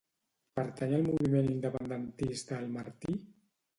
Pertany al moviment independentista el Martí?